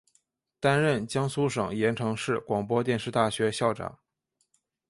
担任江苏省盐城市广播电视大学校长。